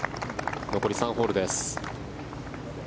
残り３ホールです。